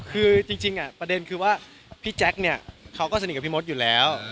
คือจริงประเด็นคือว่าพี่แจ๊คเนี่ยเขาก็สนิทกับพี่มดอยู่แล้ว